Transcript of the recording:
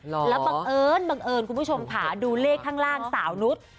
แล้วบังเอิญบังเอิญคุณผู้ชมค่ะดูเลขข้างล่างสาวนุษย์